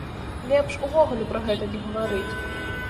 Лепш увогуле пра гэта не гаварыць.